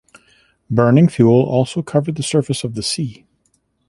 Burning fuel also covered the surface of the sea.